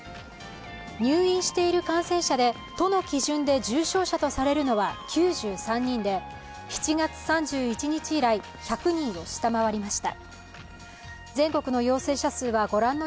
入院している感染者で都の基準で重症者とされるのは９３人で７月３１日以来１００人を下回りました。